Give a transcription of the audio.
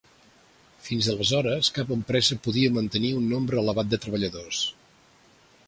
Fins aleshores cap empresa podia mantenir un nombre elevat de treballadors.